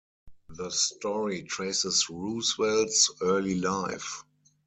The story traces Roosevelt's early life.